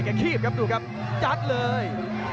แก้คีบครับดูครับจัดเลย